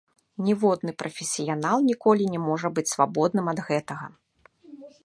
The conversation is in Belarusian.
Ніводны прафесіянал ніколі не можа быць свабодным ад гэтага.